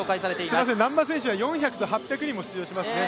すみません、難波選手は４００と８００にも出場しますね。